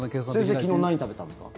先生、昨日何食べたんですか？